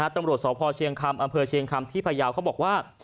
ตำรวจสพเชียงคำอำเภอเชียงคำที่พยาวเขาบอกว่า